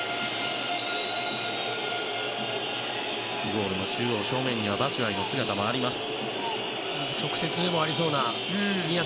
ゴールの中央正面にはバチュアイの姿もあります。